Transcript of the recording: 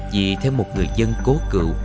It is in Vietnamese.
chỉ theo một người dân cố cựu